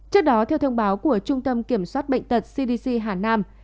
trước đó theo thông báo của trung tâm kiểm soát bệnh tật cdc hà nam